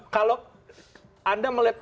kalau anda melihat